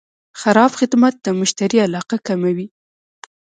خراب خدمت د مشتری علاقه کموي.